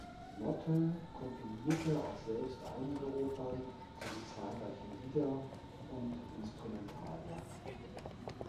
Mottl komponierte auch selbst einige Opern sowie zahlreiche Lieder und Instrumentalwerke.